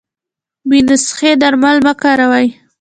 بې نسخي درمل مه کاروی